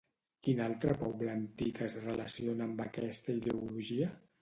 Quin altre poble antic es relaciona amb aquesta ideologia?